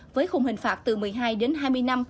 với khung hình phạt từ một mươi hai đến hai mươi năm